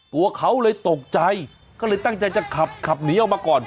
ตัวเขาเลยตกใจก็เลยตั้งใจจะขับขับหนีออกมาก่อน